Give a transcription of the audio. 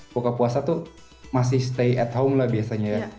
buka puasa tuh masih stay at home lah biasanya ya